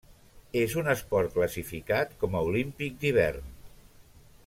És un esport classificat com a olímpic d'hivern.